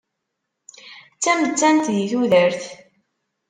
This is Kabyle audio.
D tamettan di tudert.